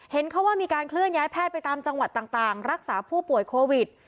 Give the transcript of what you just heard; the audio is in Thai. เข้าว่ามีการเคลื่อนย้ายแพทย์ไปตามจังหวัดต่างรักษาผู้ป่วยโควิด